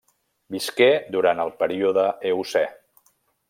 Visqué durant el període Eocè.